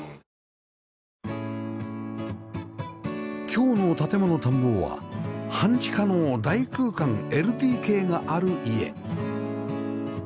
今日の『建もの探訪』は半地下の大空間 ＬＤＫ がある家